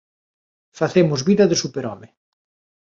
Facemos vida de superhome.